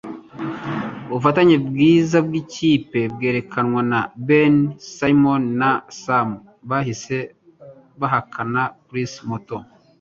Ubufatanye bwiza bwikipe bwerekanwe na Ben, Simon na Sam bahise bahakana Chris muto.